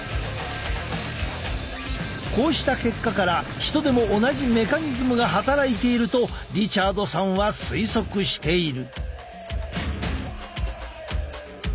こうした結果から人でも同じメカニズムが働いているとリチャードさんは推測している。